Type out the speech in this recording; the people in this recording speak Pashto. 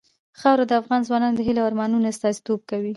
خاوره د افغان ځوانانو د هیلو او ارمانونو استازیتوب کوي.